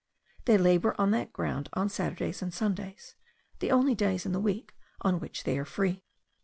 They labour on that ground on Saturdays and Sundays, the only days in the week on which they are free.